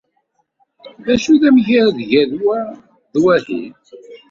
D acu i d amgerrad gar wa d wahi?